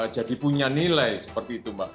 jadi punya nilai seperti itu